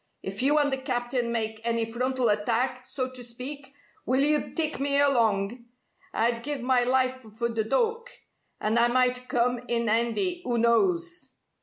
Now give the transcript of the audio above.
If you and the Captain make any frontal attack, so to speak, will you tike me along? I'd give my life for th' Dook. And I might come in 'andy, 'oo knows?"